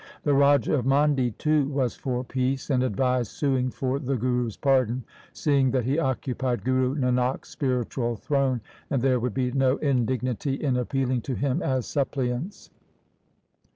The Raja of Mandi too was for peace, and advised suing for the Guru's pardon, seeing that he occupied Guru Nanak's spiritual throne, and there would be no indignity in appealing to him as sup pliants.